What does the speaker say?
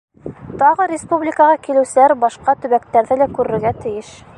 Тағы республикаға килеүселәр башҡа төбәктәрҙе лә күрергә тейеш.